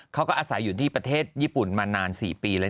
เขาก็อาศัยอยู่ที่ประเทศญี่ปุ่นมานาน๔ปีเลย